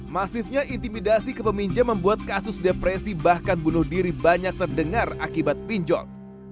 masifnya intimidasi ke peminjam membuat kasus depresi bahkan bunuh diri banyak terdengar akibat pinjol